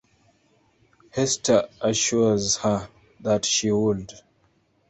Hester assures her that she would.